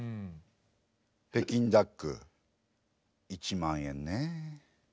北京ダック１万円ねえ。